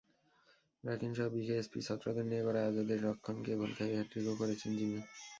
রাকিনসহ বিকেএসপির ছাত্রদের নিয়ে গড়া আজাদের রক্ষণকে ঘোল খাইয়ে হ্যাটট্রিকও করেছেন জিমি।